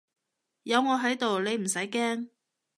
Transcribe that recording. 有我喺度你唔使驚